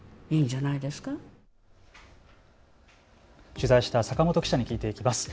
取材した坂本記者に聞いていきます。